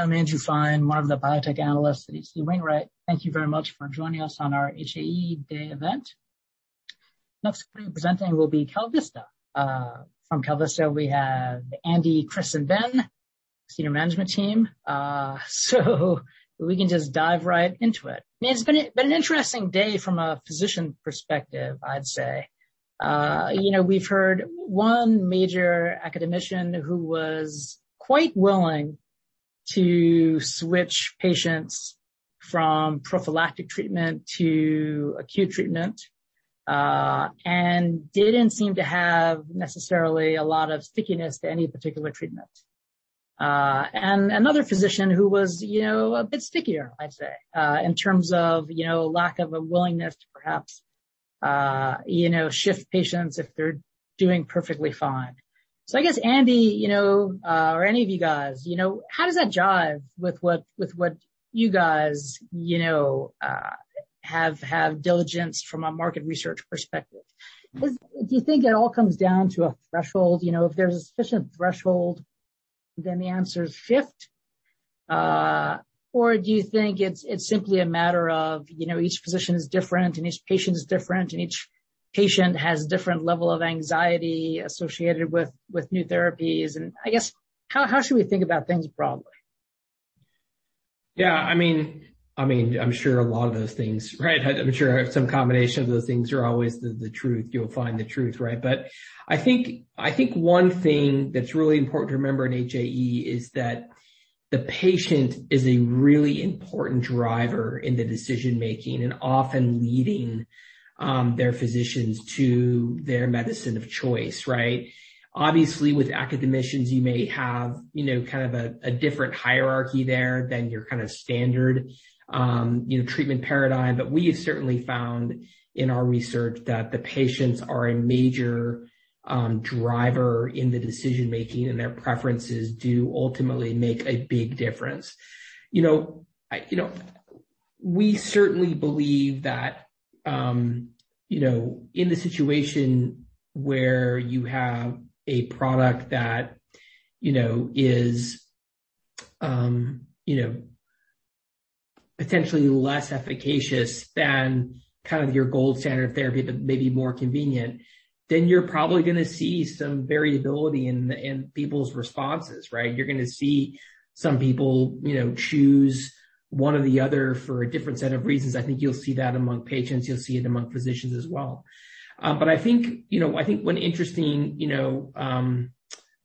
Hi, everyone. I'm Andrew Fein, one of the biotech analysts at H.C. Wainwright. Thank you very much for joining us on our HAE Day event. Next group presenting will be KalVista. From KalVista, we have Andy, Chris, and Ben, senior management team. We can just dive right into it. It's been an interesting day from a physician perspective, I'd say. You know, we've heard one major academician who was quite willing to switch patients from prophylactic treatment to acute treatment, and didn't seem to have necessarily a lot of stickiness to any particular treatment. Another physician who was, you know, a bit stickier, I'd say, in terms of, you know, lack of a willingness to perhaps, you know, shift patients if they're doing perfectly fine. I guess, Andy, you know, or any of you guys, you know, how does that jive with what you guys, you know, have diligence from a market research perspective? Do you think it all comes down to a threshold? You know, if there's a sufficient threshold, then the answer is shift. Or do you think it's simply a matter of, you know, each physician is different and each patient is different and each patient has different level of anxiety associated with new therapies? I guess, how should we think about things broadly? Yeah, I mean, I'm sure a lot of those things, right? I'm sure some combination of those things are always the truth. You'll find the truth, right? I think one thing that's really important to remember in HAE is that the patient is a really important driver in the decision-making and often leading their physicians to their medicine of choice, right? Obviously, with academicians, you may have, you know, kind of a different hierarchy there than your kind of standard, you know, treatment paradigm. We have certainly found in our research that the patients are a major driver in the decision-making, and their preferences do ultimately make a big difference. You know, I You know, we certainly believe that, you know, in the situation where you have a product that, you know, is, you know, potentially less efficacious than kind of your gold standard therapy, but maybe more convenient, then you're probably gonna see some variability in people's responses, right? You're gonna see some people, you know, choose one or the other for a different set of reasons. I think you'll see that among patients. You'll see it among physicians as well. I think, you know, I think one interesting, you know,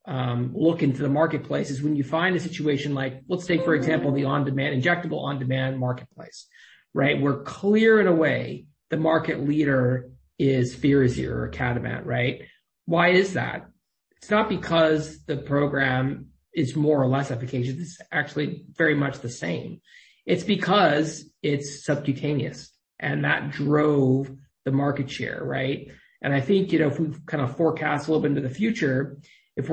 look into the marketplace is when you find a situation like, let's take, for example, the on-demand injectable on-demand marketplace, right? We're clear in a way the market leader is FIRAZYR or KALBITOR, right? Why is that? It's not because the program is more or less efficacious. It's actually very much the same. It's because it's subcutaneous, and that drove the market share, right? I think, you know, if we kind of forecast a little bit into the future, if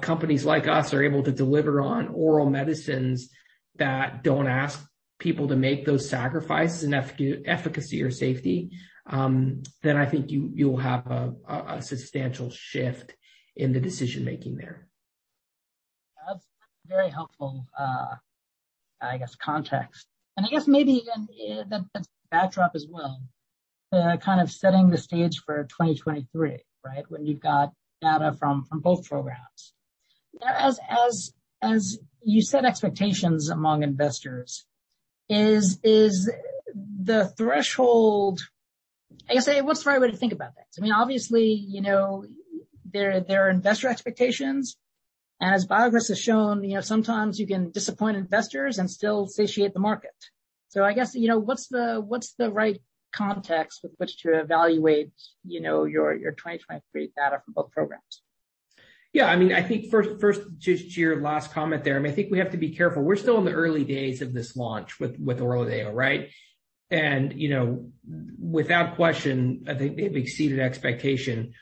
companies like us are able to deliver on oral medicines that don't ask people to make those sacrifices in efficacy or safety, then I think you'll have a substantial shift in the decision-making there. That's very helpful, I guess, context. I guess maybe in the backdrop as well, kind of setting the stage for 2023, right? When you've got data from both programs. As you set expectations among investors, is the threshold? I guess, what's the right way to think about that? I mean, obviously, you know, there are investor expectations. As BioCryst has shown, you know, sometimes you can disappoint investors and still satiate the market. I guess, you know, what's the right context with which to evaluate, you know, your 2023 data for both programs? Yeah. I mean, I think first, just to your last comment there, I mean, I think we have to be careful. We're still in the early days of this launch with ORLADEYO, right? You know, without question, I think they've exceeded expectation.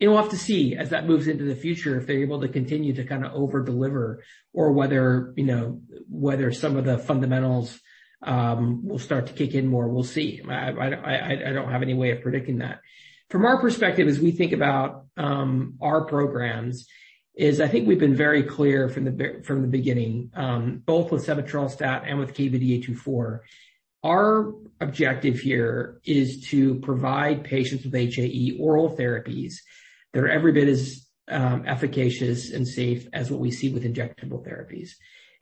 We'll have to see as that moves into the future, if they're able to continue to kinda over-deliver or whether, you know, whether some of the fundamentals will start to kick in more. We'll see. I don't have any way of predicting that. From our perspective, as we think about our programs, is I think we've been very clear from the beginning, both with sebetralstat and with KVD-824, our objective here is to provide patients with HAE oral therapies that are every bit as efficacious and safe as what we see with injectable therapies.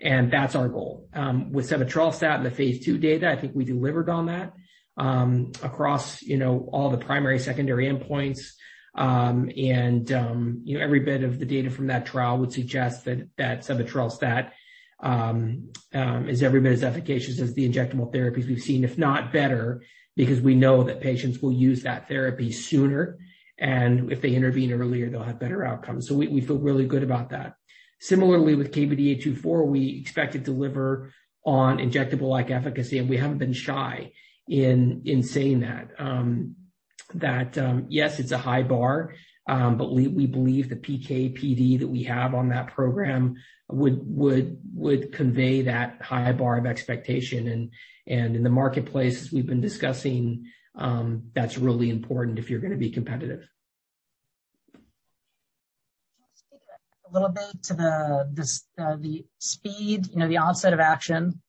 That's our goal. With sebetralstat and the phase II data, I think we delivered on that, across you know all the primary secondary endpoints. You know, every bit of the data from that trial would suggest that sebetralstat is every bit as efficacious as the injectable therapies we've seen, if not better, because we know that patients will use that therapy sooner, and if they intervene earlier, they'll have better outcomes. We feel really good about that. Similarly, with KVD-824, we expect to deliver on injectable-like efficacy, and we haven't been shy in saying that yes, it's a high bar, but we believe the PK/PD that we have on that program would convey that high bar of expectation. In the marketplace, as we've been discussing, that's really important if you're gonna be competitive. Can you speak a little bit to the speed, you know, the onset of action,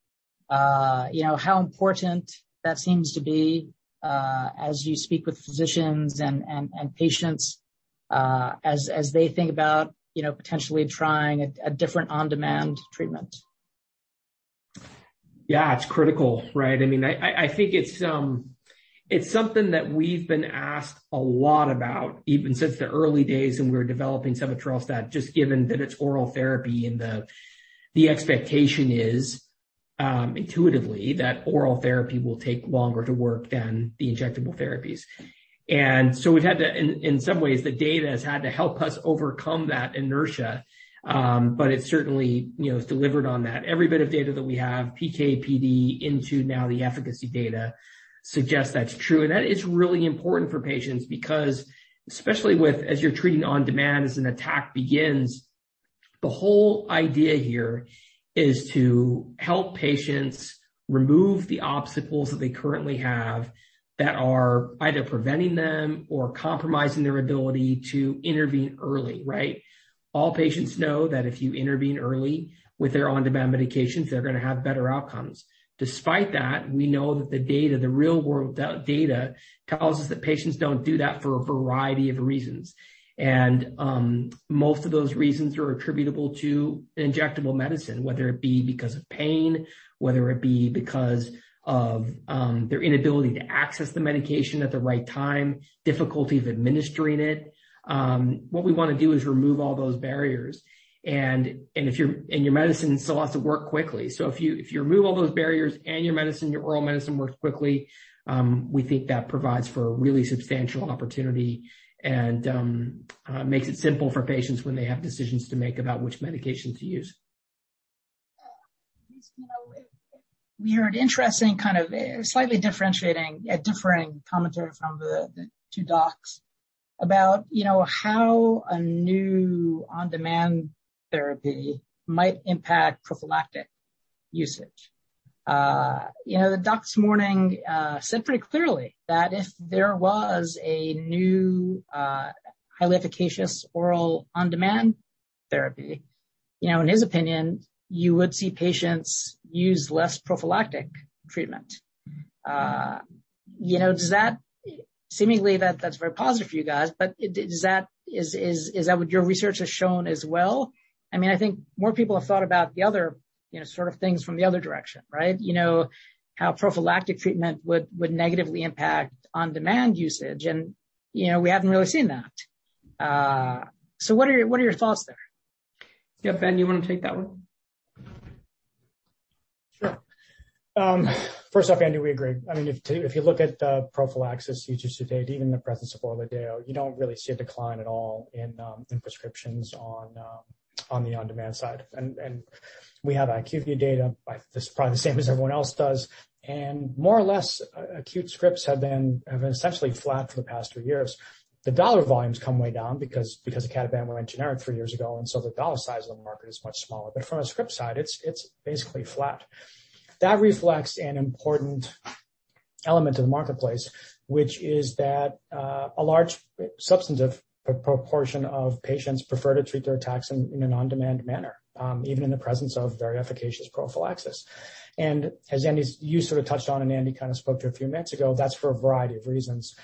you know, how important that seems to be, as you speak with physicians and patients, as they think about, you know, potentially trying a different on-demand treatment? Yeah, it's critical, right? I mean, I think it's something that we've been asked a lot about, even since the early days when we were developing sebetralstat, just given that it's oral therapy and the expectation is intuitively that oral therapy will take longer to work than the injectable therapies. In some ways, the data has had to help us overcome that inertia, but it certainly, you know, has delivered on that. Every bit of data that we have, PK/PD and now the efficacy data suggests that's true. That is really important for patients because especially as you're treating on-demand as an attack begins, the whole idea here is to help patients remove the obstacles that they currently have that are either preventing them or compromising their ability to intervene early, right? All patients know that if you intervene early with their on-demand medications, they're gonna have better outcomes. Despite that, we know that the data, the real-world data tells us that patients don't do that for a variety of reasons. Most of those reasons are attributable to injectable medicine, whether it be because of pain, whether it be because of their inability to access the medication at the right time, difficulty of administering it. What we wanna do is remove all those barriers. If your medicine still has to work quickly. If you remove all those barriers and your medicine, your oral medicine works quickly, we think that provides for a really substantial opportunity and makes it simple for patients when they have decisions to make about which medication to use. Yeah. At least, you know, we heard interesting, kind of, slightly differentiating, differing commentary from the two docs about, you know, how a new on-demand therapy might impact prophylactic usage. You know, the docs this morning said pretty clearly that if there was a new, highly efficacious oral on-demand therapy, you know, in his opinion, you would see patients use less prophylactic treatment. You know, does that, seemingly, that's very positive for you guys, but does that, is that what your research has shown as well? I mean, I think more people have thought about the other, you know, sort of things from the other direction, right? You know, how prophylactic treatment would negatively impact on-demand usage and, you know, we haven't really seen that. What are your thoughts there? Yeah. Ben, you wanna take that one? Sure. First off, Andy, we agree. I mean, if you look at the prophylaxis usage to date, even in the presence of ORLADEYO, you don't really see a decline at all in prescriptions on the on-demand side. We have IQVIA data that's probably the same as everyone else does. More or less, acute scripts have been essentially flat for the past three years. The dollar volumes come way down because icatibant went generic three years ago, and so the dollar size of the market is much smaller. From a script side, it's basically flat. That reflects an important element of the marketplace, which is that a large substantive proportion of patients prefer to treat their attacks in an on-demand manner, even in the presence of very efficacious prophylaxis. As Andy's you sort of touched on, and Andy kind of spoke to a few minutes ago, that's for a variety of reasons.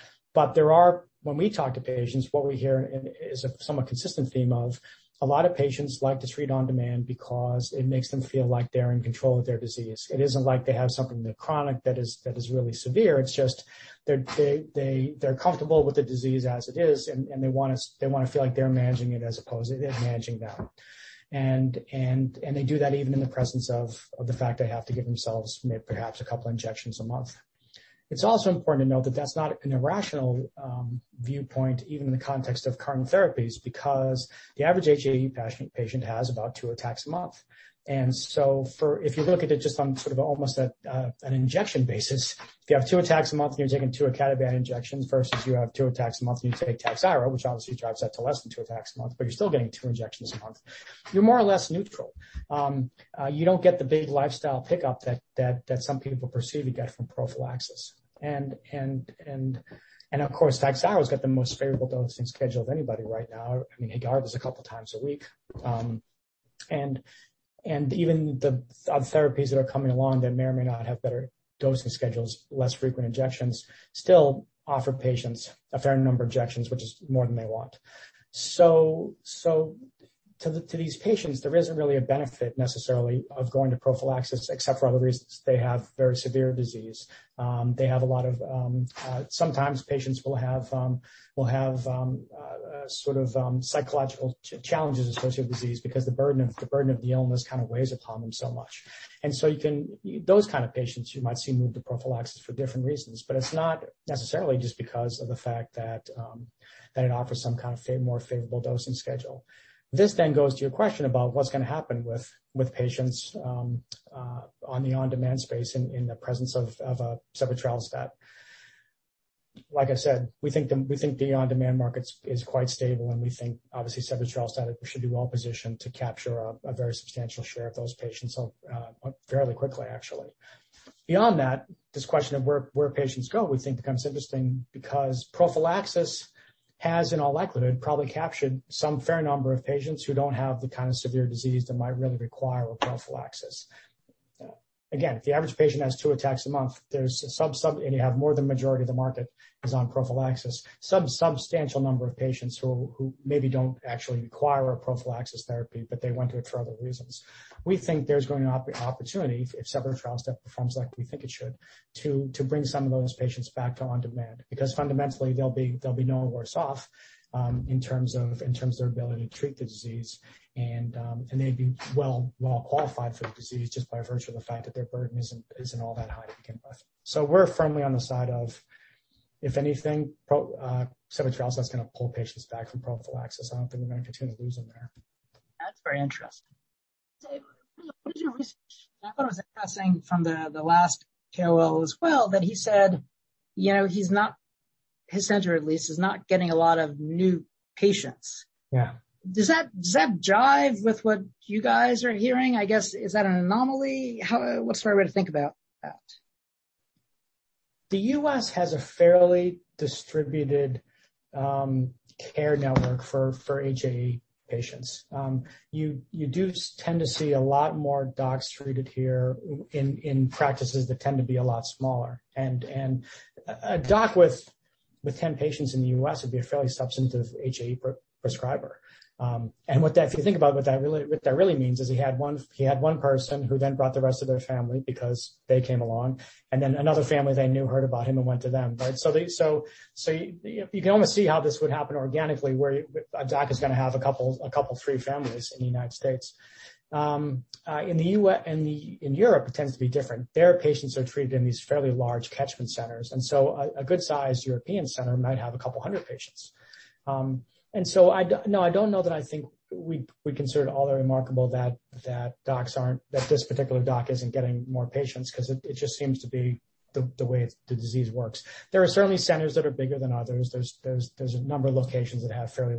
There are when we talk to patients, what we hear in, is a somewhat consistent theme of a lot of patients like to treat on demand because it makes them feel like they're in control of their disease. It isn't like they have something that chronic that is really severe. It's just they're comfortable with the disease as it is, and they do that even in the presence of the fact they have to give themselves maybe perhaps a couple injections a month. It's also important to note that that's not an irrational viewpoint, even in the context of current therapies, because the average HAE patient has about two attacks a month. If you look at it just on sort of almost an injection basis, if you have two attacks a month and you're taking two icatibant injections versus you have two attacks a month and you take Takhzyro, which obviously drives that to less than two attacks a month, but you're still getting two injections a month, you're more or less neutral. You don't get the big lifestyle pickup that some people perceive you get from prophylaxis. Of course, TAKHZYRO's got the most favorable dosing schedule of anybody right now. I mean, HAEGARDA's a couple times a week. Even the therapies that are coming along that may or may not have better dosing schedules, less frequent injections, still offer patients a fair number of injections, which is more than they want. To these patients, there isn't really a benefit necessarily of going to prophylaxis, except for other reasons. They have very severe disease. They have a lot of, sometimes patients will have sort of psychological challenges associated with disease because the burden of the illness kind of weighs upon them so much. Those kind of patients you might see move to prophylaxis for different reasons. It's not necessarily just because of the fact that it offers some kind of more favorable dosing schedule. This goes to your question about what's gonna happen with patients on the on-demand space in the presence of sebetralstat. Like I said, we think the on-demand market is quite stable, and we think obviously sebetralstat should be well-positioned to capture a very substantial share of those patients so fairly quickly actually. Beyond that, this question of where patients go, we think becomes interesting because prophylaxis has in all likelihood probably captured some fair number of patients who don't have the kind of severe disease that might really require a prophylaxis. Again, if the average patient has two attacks a month, there's and you have more than majority of the market is on prophylaxis. Substantial number of patients who maybe don't actually require a prophylaxis therapy, but they want it for other reasons. We think there's going to be opportunity if sebetralstat performs like we think it should to bring some of those patients back to on-demand. Because fundamentally they'll be no worse off in terms of their ability to treat the disease and they'd be well-qualified for the disease just by virtue of the fact that their burden isn't all that high to begin with. We're firmly on the side of, if anything, pro-sebetralstat trials that's gonna pull patients back from prophylaxis. I don't think we're gonna continue to lose them there. That's very interesting. Dave, original research, I thought it was interesting from the last KOL as well, that he said, you know, he's not, his center at least is not getting a lot of new patients. Yeah. Does that jive with what you guys are hearing? I guess, is that an anomaly? How, what's the right way to think about that? The U.S. has a fairly distributed care network for HAE patients. You do tend to see a lot more docs treated here in practices that tend to be a lot smaller. A doc with 10 patients in the U.S. would be a fairly substantive HAE prescriber. If you think about what that really means, he had one person who then brought the rest of their family because they came along, and then another family they knew heard about him and went to them, right? You can almost see how this would happen organically, where a doc is gonna have a couple, three families in the United States. In Europe, it tends to be different. Their patients are treated in these fairly large catchment centers, so a good-sized European center might have 200 patients. I don't know that I think we'd consider it all that remarkable that this particular doc isn't getting more patients 'cause it just seems to be the way the disease works. There are certainly centers that are bigger than others. There's a number of locations that have fairly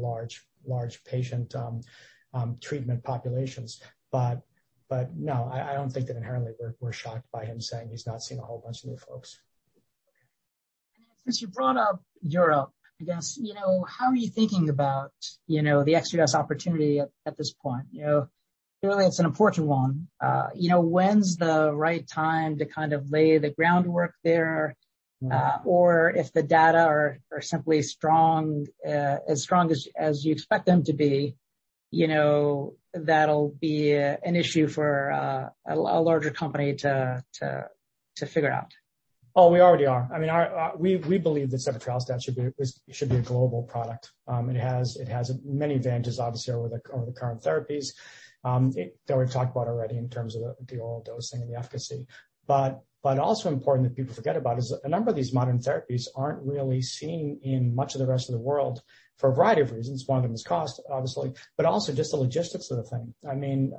large patient treatment populations. No, I don't think that inherently we're shocked by him saying he's not seeing a whole bunch of new folks. Since you brought up Europe, I guess, you know, how are you thinking about, you know, the ex-U.S opportunity at this point? You know, clearly it's an important one. You know, when's the right time to kind of lay the groundwork there? Or if the data are simply strong, as strong as you expect them to be, you know, that'll be an issue for a larger company to figure out. Oh, we already are. I mean, our we believe that sebetralstat should be a global product. It has many advantages, obviously, over the current therapies that we've talked about already in terms of the oral dosing and the efficacy. Also important that people forget about is a number of these modern therapies aren't really seen in much of the rest of the world for a variety of reasons. One of them is cost, obviously, but also just the logistics of the thing. I mean,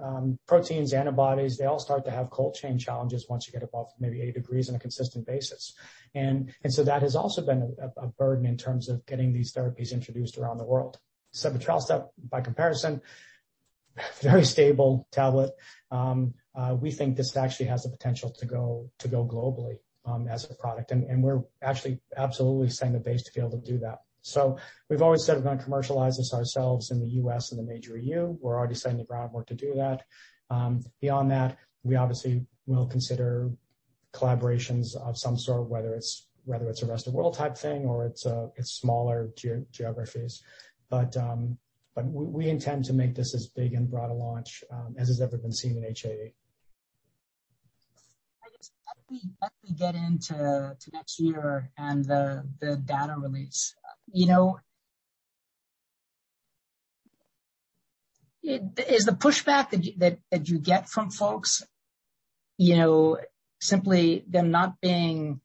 proteins, antibodies, they all start to have cold chain challenges once you get above maybe 80 degrees on a consistent basis. That has also been a burden in terms of getting these therapies introduced around the world. Sebetralstat, by comparison, very stable tablet. We think this actually has the potential to go globally as a product. We're actually absolutely setting the stage to be able to do that. We've always said we're gonna commercialize this ourselves in the U.S. and the major E.U. We're already setting the groundwork to do that. Beyond that, we obviously will consider collaborations of some sort, whether it's a rest of world type thing or it's smaller geographies. We intend to make this as big and broad a launch as has ever been seen in HAE. I guess as we get into next year and the data release, you know, is the pushback that you get from folks, you know, simply them not being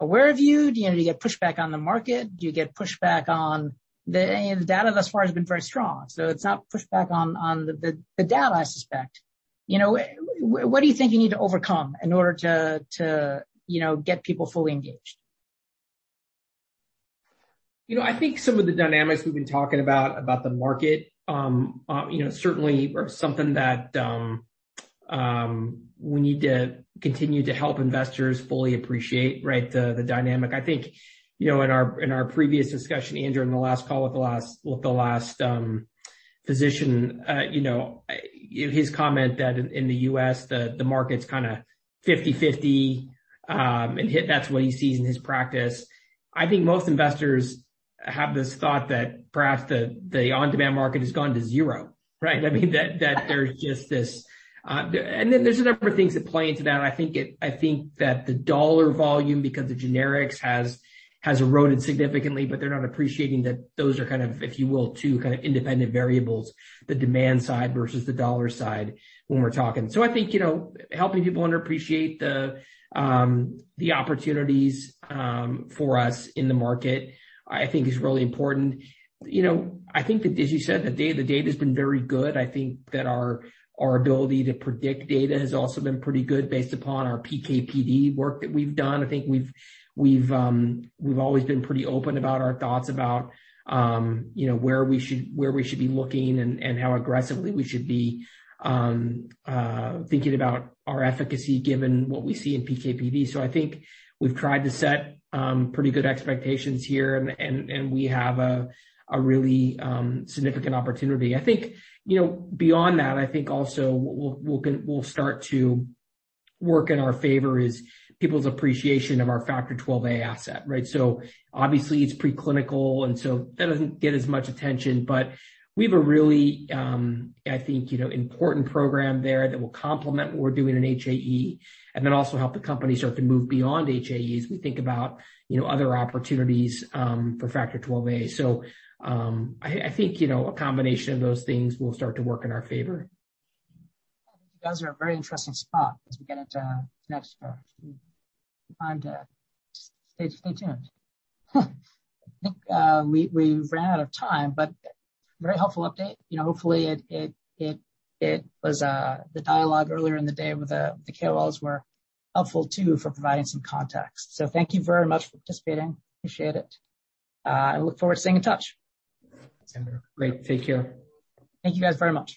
aware of you? Do you get pushback on the market? And the data thus far has been very strong, so it's not pushback on the data I suspect. You know, what do you think you need to overcome in order to, you know, get people fully engaged? You know, I think some of the dynamics we've been talking about the market, you know, certainly are something that we need to continue to help investors fully appreciate, right? The dynamic. I think, you know, in our previous discussion, Andrew, in the last call with the last physician, you know, his comment that in the U.S., the market's kinda 50/50, and that's what he sees in his practice. I think most investors have this thought that perhaps the on-demand market has gone to zero, right? I mean, that there's just this. There's a number of things that play into that. I think that the dollar volume because of generics has eroded significantly, but they're not appreciating that those are kind of, if you will, two kind of independent variables, the demand side versus the dollar side when we're talking. I think, you know, helping people underappreciate the opportunities for us in the market, I think is really important. You know, I think that as you said, the data's been very good. I think that our ability to predict data has also been pretty good based upon our PK/PD work that we've done. I think we've always been pretty open about our thoughts about, you know, where we should be looking and how aggressively we should be thinking about our efficacy given what we see in PK/PD. I think we've tried to set pretty good expectations here and we have a really significant opportunity. I think, you know, beyond that, I think also what we'll start to work in our favor is people's appreciation of our Factor XIIa asset, right? Obviously it's preclinical, and so that doesn't get as much attention, but we have a really, I think, you know, important program there that will complement what we're doing in HAE and then also help the company start to move beyond HAE as we think about, you know, other opportunities for Factor XIIa. I think, you know, a combination of those things will start to work in our favor. You guys are in a very interesting spot as we get into next time. Stay tuned. I think we've ran out of time, but very helpful update. You know, hopefully it was the dialogue earlier in the day with the KOLs were helpful too for providing some context. Thank you very much for participating. Appreciate it. I look forward to staying in touch. Thanks Andrew. Great. Take care. Thank you guys very much.